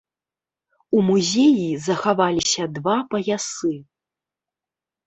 У музеі захавалася два паясы.